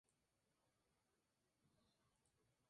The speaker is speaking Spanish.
Es una universidad baptista.